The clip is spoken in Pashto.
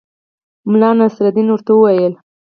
ملا نصرالدین ورته وویل.